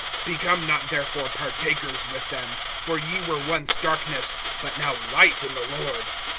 (7)Become not therefore partakers with them. (8)For ye were once darkness, but now light in the Lord.